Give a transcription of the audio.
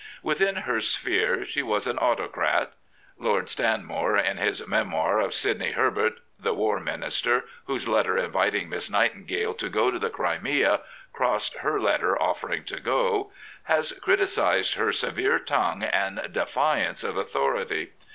Within her sphere she was an autocrat. Lord Stanmore, in his Memoir of Sidney Herbert — the War Minister whose letter inviting Miss Nightingale to go to the Crimea crossed her letter offering to go — has criticised her severe tongue and defiance of authority.